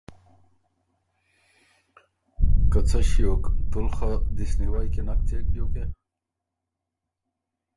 که ”څۀ ݭیوک تُول خه دِسنیوئ کی نک څېک بيوکې؟“